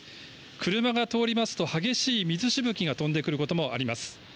車が通りますと激しい水しぶきが飛んでくることもあります。